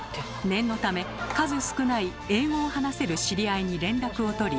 念のため数少ない英語を話せる知り合いに連絡を取り確認。